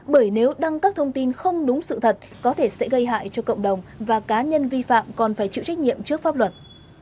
bởi nếu đăng các thông tin không đúng sự thật có thể sẽ gây hại cho cộng đồng và cá nhân vi phạm còn phải chịu trách nhiệm trước pháp luật